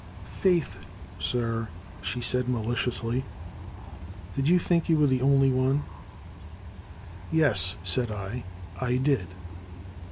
''Faith, sir," she said maliciously, did you think you were the only one ?" "Yes," said I, "I did."